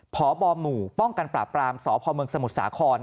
ผอบหมู่ป้องกันปลาบปรามสพมสมุษฎ์สาคร